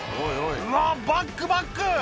うわバックバック！